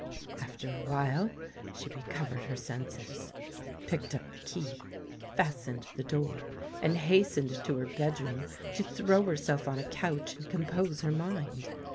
After a while she recovered her senses, picked up the key, fastened the door, and hastened to her bedroom, to throw herself on a couch and com pose her mind.